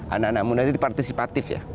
anak anak muda itu dipartisipatif ya